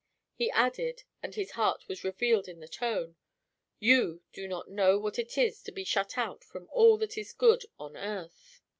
He added, and his heart was revealed in the tone: "You do not know what it is to be shut out from all that is good on earth."